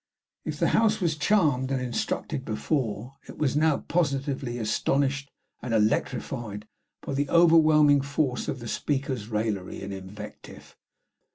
If the House was charmed and instructed before, it was now positively astonished and electrified by the overwhelming force of the speaker's raillery and invective.